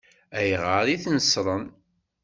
Ayɣer i ten-ṣṣṛen?